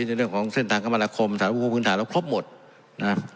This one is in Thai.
ในเรื่องของเส้นทางกรรมราคมสถานกรุงพื้นฐานเราครบหมดนะครับ